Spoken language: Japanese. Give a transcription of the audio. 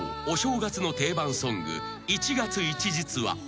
お正月の定番ソング『一月一日』は］